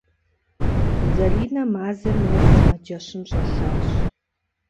Зэринэ мазэм нэс сымаджэщым щӏэлъащ.